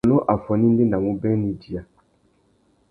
Mônô affuênê i ndéndamú being nà idiya.